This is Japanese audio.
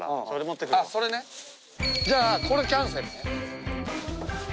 じゃあこれキャンセルね。